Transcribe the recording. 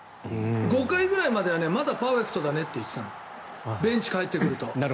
５回ぐらいまではまだパーフェクトだねって言ってたのベンチに帰ってくると。